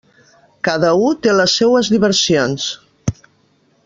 Cada u té les seues diversions.